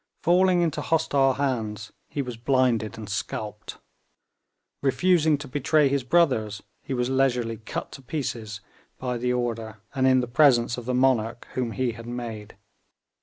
Falling into hostile hands, he was blinded and scalped. Refusing to betray his brothers, he was leisurely cut to pieces by the order and in the presence of the monarch whom he had made.